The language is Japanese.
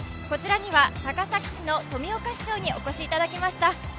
こちらには高崎市の富岡市長にお越しいただきました。